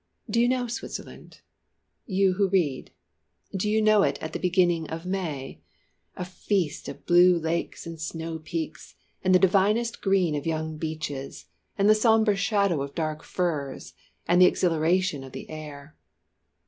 Do you know Switzerland? you who read. Do you know it at the beginning of May? A feast of blue lakes, and snow peaks, and the divinest green of young beeches, and the sombre shadow of dark firs, and the exhilaration of the air.